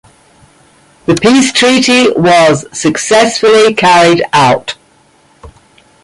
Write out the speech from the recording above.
The peace treaty was successfully carried out.